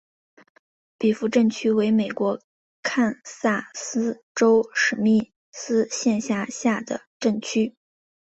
比弗镇区为美国堪萨斯州史密斯县辖下的镇区。